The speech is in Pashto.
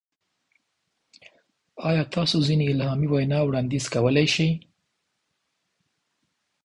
ایا تاسو ځینې الهامي وینا وړاندیز کولی شئ؟